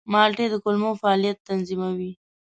مالټې د کولمو فعالیت تنظیموي.